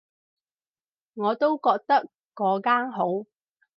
我都覺得嗰間好